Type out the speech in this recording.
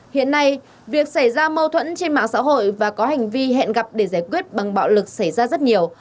hiện nay việc xảy ra mâu thuẫn trên mạng xã hội và có hành vi hẹn gặp để giải quyết bằng bạo lực xảy ra rất nhiều